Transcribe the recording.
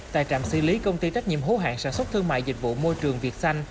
tại trạm xử lý công ty trách nhiệm hữu hạng sản xuất thương mại dịch vụ môi trường việt xanh